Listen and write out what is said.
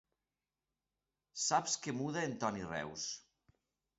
Saps que muda en Toni Reus!